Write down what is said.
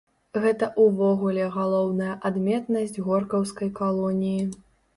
Гэта ўвогуле галоўная адметнасць горкаўскай калоніі.